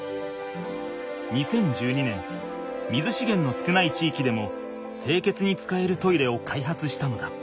２０１２年水しげんの少ない地域でも清潔に使えるトイレを開発したのだ。